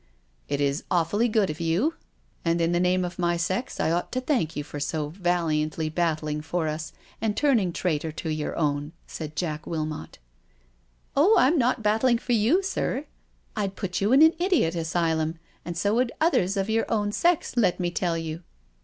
" It is awfully good of you, and in the name of my sex I ought to thank you for so valiantly battling for us and turning traitor to your own/* said Jack Wilmot, " Oh» I'm not battling for yoa, sir— I'd put you in an idiot asylum and so would others of your own sex, let me tell you."